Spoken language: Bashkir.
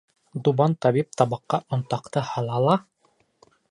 Дубан табип табаҡҡа онтаҡты һала ла: